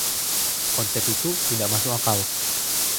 Konsep itu tidak masuk akal.